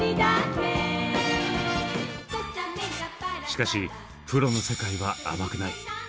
しかしプロの世界は甘くない。